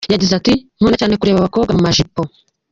Yagize ati “Nkunda cyane kureba abakobwa mu majipo.